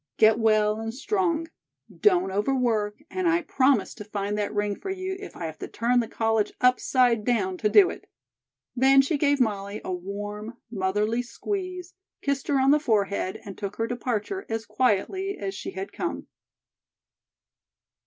Get well and strong. Don't overwork, and I promise to find that ring for you if I have to turn the college upside down to do it." Then she gave Molly a warm, motherly squeeze, kissed her on the forehead and took her departure as quietly as she had come.